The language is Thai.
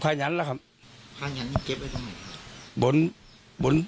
พระยันตร์เจ็บไว้ทำไมครับ